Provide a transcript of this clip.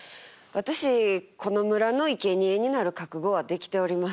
私この村のいけにえになる覚悟はできております。